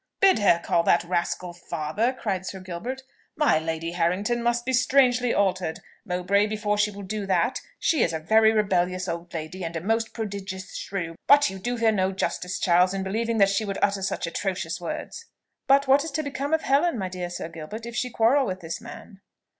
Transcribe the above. "Bid her call that rascal father?" cried Sir Gilbert. "My Lady Harrington must be strangely altered, Mowbray, before she will do that: she is a very rebellious old lady, and a most prodigious shrew; but you do her no justice, Charles, in believing she would utter such atrocious words." "But what is to become of Helen, my dear Sir Gilbert, if she quarrel with this man?"